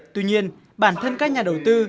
tuy nhiên bản thân các nhà đầu tư